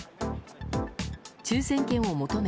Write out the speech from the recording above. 抽選券を求め